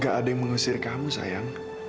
gak ada yang mengusir kamu sayang